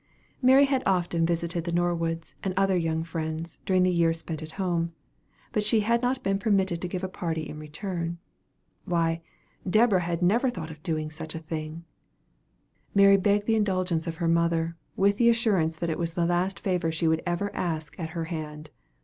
Mary had often visited the Norwoods and other young friends, during the year spent at home; but she had not been permitted to give a party in return. Why, Deborah had never thought of doing such a thing! Mary begged the indulgence of her mother, with the assurance that it was the last favor she would ever ask at her hand.